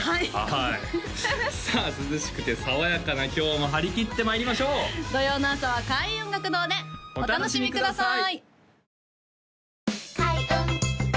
はいさあ涼しくて爽やかな今日も張り切ってまいりましょう土曜の朝は開運音楽堂でお楽しみください